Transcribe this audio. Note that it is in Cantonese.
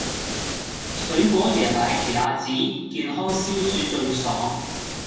水果椰奶奇亞籽健康消暑最爽